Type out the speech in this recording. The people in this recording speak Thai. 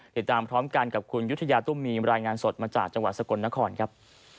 ติดตามพร้อมกันกับคุณยุธยาตุ้มมีรายงานสดมาจากจังหวัดสกลนครครับ